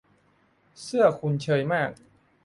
เสื้อคุณเชยมาก